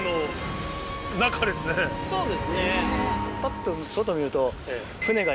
そうですね。